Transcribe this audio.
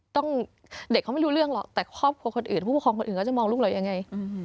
เด็กเขาไม่รู้เรื่องหรอกแต่ครอบครัวคนอื่นผู้ปกครองคนอื่นเขาจะมองลูกเรายังไง